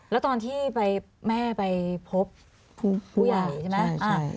แล้วตอนที่ไปแม่ไปพบผู้ใหญ่ใช่ไหม